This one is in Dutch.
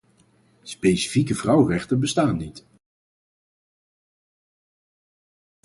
Specifieke vrouwenrechten bestaan niet.